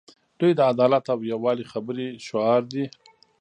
دوی د عدالت او یووالي خبرې شعار دي.